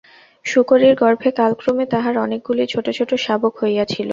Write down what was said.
শূকরীর গর্ভে কালক্রমে তাঁহার অনেকগুলি ছোট ছোট শাবক হইয়াছিল।